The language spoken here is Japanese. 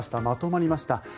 まとまりました。